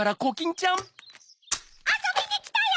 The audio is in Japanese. あそびにきたよ！